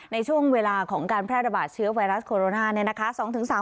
ในช่วงเวลาของการแพร่ระบาดเชื้อไวรัสโคโรนาเนี่ยนะคะ